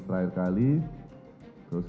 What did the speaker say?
terakhir kali terus